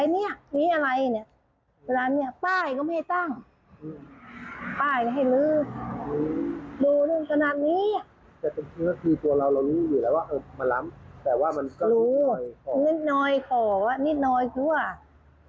นิดน้อยขอว่านิดน้อยด้วย